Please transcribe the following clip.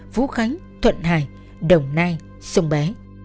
phú khánh thuận hải đồng nai sông bé